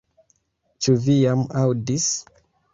Ĉu vi jam aŭdis?